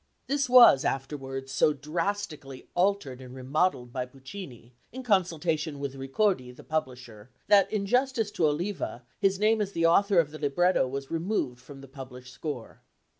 This was afterwards so drastically altered and remodelled by Puccini, in consultation with Ricordi, the publisher, that in justice to Oliva, his name as the author of the libretto was removed from the published score.